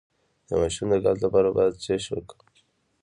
د ماشوم د ګاز لپاره باید څه وکړم؟